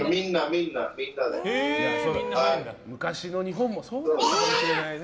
昔の日本もそうだったのかもしれないね。